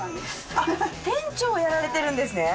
あっ店長をやられてるんですね。